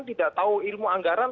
tidak tahu ilmu anggaran